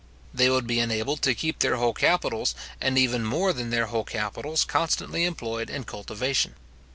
They would be enabled to keep their whole capitals, and even more than their whole capitals constantly employed in cultivation.